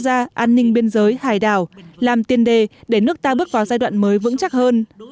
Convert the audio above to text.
quốc gia an ninh biên giới hải đảo làm tiền đề để nước ta bước vào giai đoạn mới vững chắc hơn